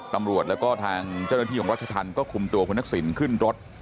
ตำรวจแล้วก็ทางเจ้าหน้าที่ของรัชธรรมก็คุมตัวคุณทักษิณขึ้นรถ